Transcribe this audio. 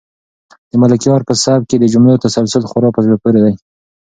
د ملکیار په سبک کې د جملو تسلسل خورا په زړه پورې دی.